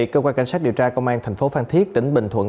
cơ quan cảnh sát điều tra công an thành phố phan thiết tỉnh bình thuận